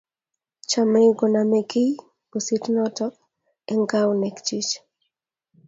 Chamei koname kiy pusit notok eng' keunek chik